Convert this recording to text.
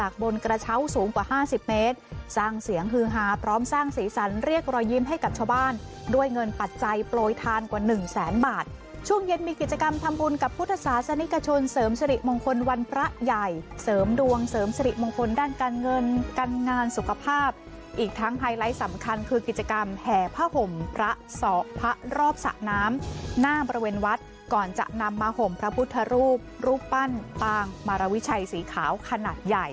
คือหาพร้อมสร้างสีสันเรียกรอยยิ้มให้กับชาวบ้านด้วยเงินปัจจัยโปรยทานกว่าหนึ่งแสนบาทช่วงเย็นมีกิจกรรมทำบุญกับพุทธศาสนิกชนเสริมสริมงคลวันพระใหญ่เสริมดวงเสริมสริมงคลด้านการเงินการงานสุขภาพอีกทั้งไฮไลท์สำคัญคือกิจกรรมแห่พระห่มพระศอกพระรอบสะน